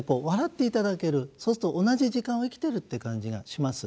そうすると同じ時間を生きてるって感じがします。